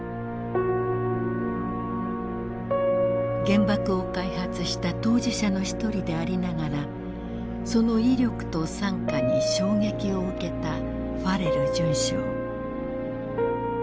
原爆を開発した当事者の一人でありながらその威力と惨禍に衝撃を受けたファレル准将。